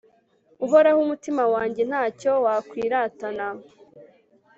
uhoraho, umutima wanjye nta cyo wakwiratana